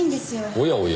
おやおや。